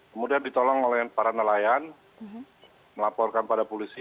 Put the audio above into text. kemudian ditolong oleh para nelayan melaporkan pada polisi